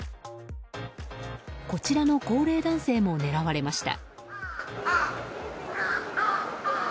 こちらの高齢男性も狙われました。